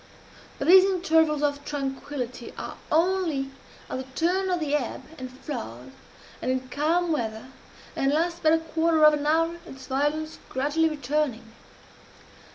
But these intervals of tranquillity are only at the turn of the ebb and flood, and in calm weather, and last but a quarter of an hour, its violence gradually returning.